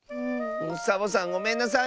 サボさんごめんなさい！